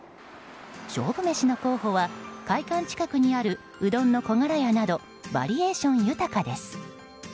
勝負メシの候補は会館近くにあるうどんのこがらやなどバリエーション豊かです。